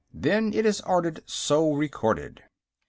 Then it is ordered so recorded."